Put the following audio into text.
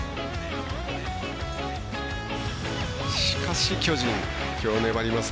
しかし、巨人きょう粘ります。